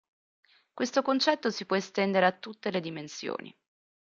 Questo concetto si può estendere a tutte le dimensioni.